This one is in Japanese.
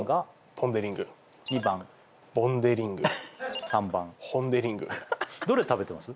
ポン・デ・リング２番ボン・デ・リング３番ホン・デ・リングどれ食べてます？